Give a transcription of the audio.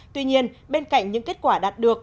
tuy nhiên bên cạnh những kết quả đạt được